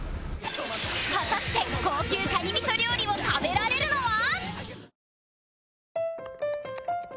果たして高級カニ味噌料理を食べられるのは？